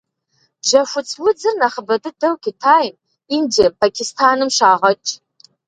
Бжьэхуц удзыр нэхъыбэ дыдэу Китайм, Индием, Пакистаным щагъэкӏ.